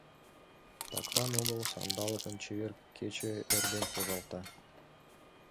Таклан огыл сандалыкым Чевер кече эрден пожалта.